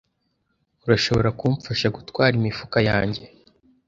Urashobora kumfasha gutwara imifuka yanjye?